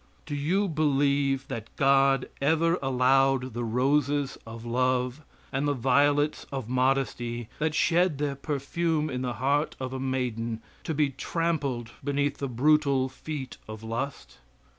Do you believe that God ever allowed the roses of love and the violets of modesty that shed their perfume in the heart of a maiden to be trampled beneath the brutal feet of lust?